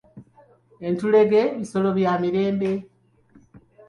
Entulege bisolo bya mirembe.